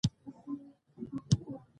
د شمېر ماشین پینځه دېرش تڼۍ لري